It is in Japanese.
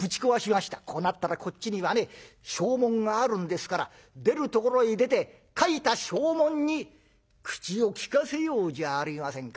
こうなったらこっちにはね証文があるんですから出るところへ出て書いた証文に口を利かせようじゃありませんか」